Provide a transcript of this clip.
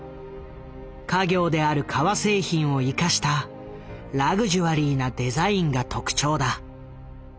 家業である革製品を生かしたラグジュアリーなデザインが特徴だ。